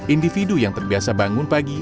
individu yang terbiasa bangun pagi